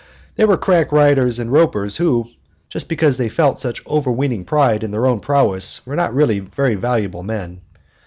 There were crack riders and ropers who, just because they felt such overweening pride in their own prowess, were not really very valuable men.